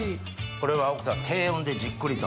これは奥さん低温でじっくりと？